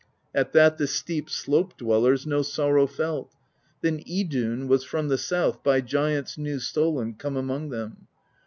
At that the steep slope dwellers No sorrow felt; then Idunn Was from the south, by giants New stolen, come among them.